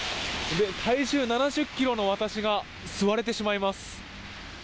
体重７０ｋｇの私が座れてしまいます。